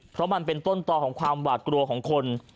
เพราะมันเป็นต้นต่อของความหวาดกลัวของคน